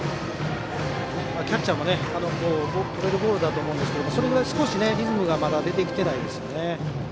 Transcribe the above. キャッチャーもとれるボールだと思うんですけどそれぐらい、少しリズムがまだ出てきてないですね。